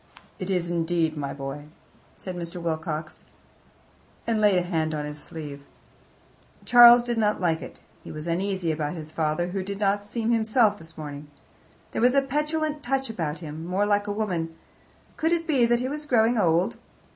"It is, indeed, my boy," said Mr. Wilcox, and laid a hand on his sleeve. Charles did not like it; he was uneasy about his father, who did not seem himself this morning. There was a petulant touch about him more like a woman. Could it be that he was growing old?